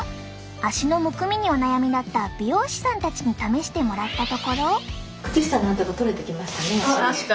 足のむくみにお悩みだった美容師さんたちに試してもらったところ。